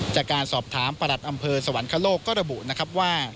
จากการสอบถามประหลัดอำเภอสวรรคโลกก็ระบุนะครับว่า